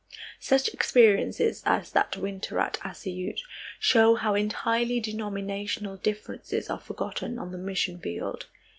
Such experiences as that winter at Assiyut show how entirely denominational differences are forgotten on the mission field.